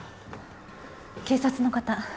警察の方。